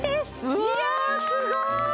うわすごい！